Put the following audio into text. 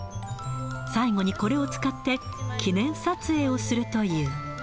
最後にこれを使って、記念撮影をするという。